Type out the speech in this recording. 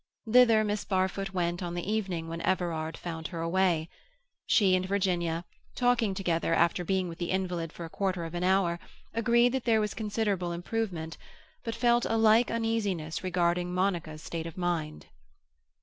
Thither Miss Barfoot went on the evening when Everard found her away; she and Virginia, talking together after being with the invalid for a quarter of an hour, agreed that there was considerable improvement, but felt a like uneasiness regarding Monica's state of mind.